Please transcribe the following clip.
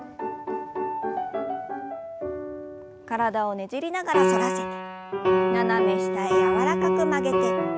体をねじりながら反らせて斜め下へ柔らかく曲げて。